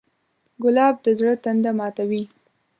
ګلاب د زړه تنده ماتوي.